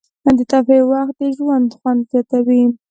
د تفریح وخت د ژوند خوند زیاتوي.